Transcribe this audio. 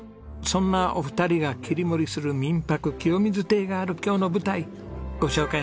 そんなお二人が切り盛りする民泊きよみず邸がある今日の舞台ご紹介